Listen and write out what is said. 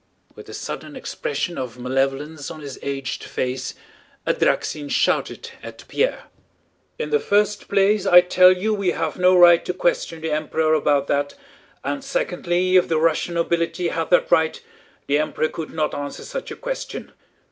With a sudden expression of malevolence on his aged face, Adráksin shouted at Pierre: "In the first place, I tell you we have no right to question the Emperor about that, and secondly, if the Russian nobility had that right, the Emperor could not answer such a question.